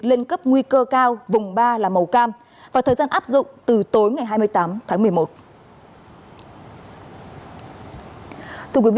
lên cấp nguy cơ cao vùng ba là màu cam và thời gian áp dụng từ tối ngày hai mươi tám tháng một mươi một